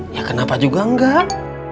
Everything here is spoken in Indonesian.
ya kenapa juga enggak